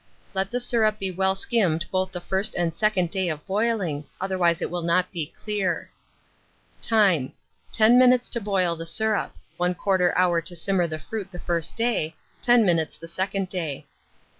Let the syrup be well skimmed both the first and second day of boiling, otherwise it will not be clear. Time. 10 minutes to boil the syrup; 1/4 hour to simmer the fruit the first day, 10 minutes the second day.